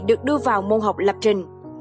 được đưa vào môn học lập trình